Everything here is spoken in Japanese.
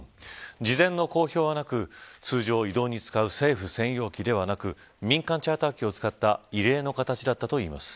事前の公表はなく、通常移動に使う政府専用機ではなく民間チャーター機を使った異例の形だったといいます。